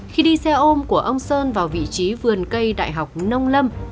khi đi xe ôm của ông sơn vào vị trí vườn cây đại học nông lâm